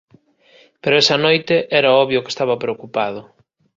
Pero esa noite era obvio que estaba preocupado.